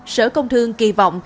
sở công thương kỳ vọng